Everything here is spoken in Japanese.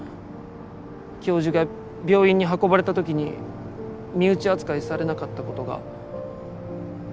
教授が病院に運ばれた時に身内扱いされなかったことが。